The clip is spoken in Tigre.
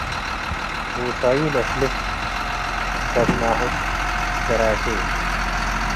ቡሳዩ ለፍልፍ - ደብናሁ ትዘራኬ